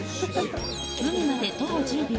海まで徒歩１０秒。